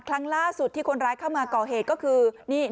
ครั้งล่าสุดที่คนร้ายเข้ามาก่อเหตุก็คือนี่